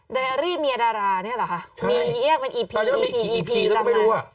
ไดอรี่เมียดาราเนี้ยเหรอคะใช่มาอีกกี่อีพีแล้วก็ไม่รู้อ่ะ